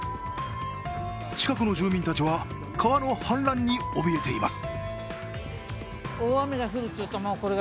近くの住民たちは川の氾濫におびえています。